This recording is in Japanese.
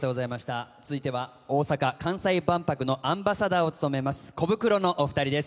続いては大阪・関西万博のアンバサダーを務めますコブクロのお二人です。